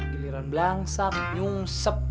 giliran belang belang belang nyungsep